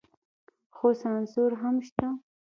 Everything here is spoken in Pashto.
خو سانسور هم شته.